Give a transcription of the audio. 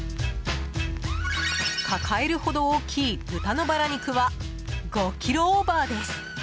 抱えるほど大きい豚のバラ肉は５ｋｇオーバーです。